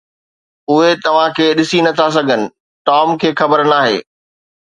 اهي توهان کي ڏسي نٿا سگهن، ٽام کي خبر ناهي